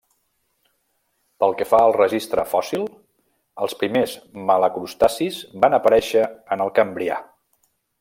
Pel que fa al registre fòssil, els primers malacostracis van aparèixer en el Cambrià.